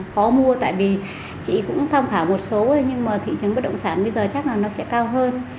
khó mua tại vì chị cũng tham khảo một số nhưng mà thị trường bất động sản bây giờ chắc là nó sẽ cao hơn